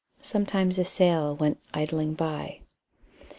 Sometimes a sail went idling by.